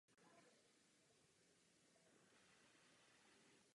Teprve pak má smysl.